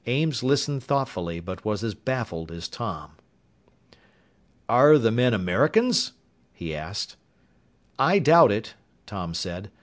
Ames listened thoughtfully but was as baffled as Tom. "Are the men Americans?" he asked. "I doubt it," Tom said.